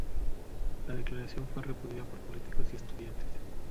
La declaración fue repudiada por políticos y estudiantes.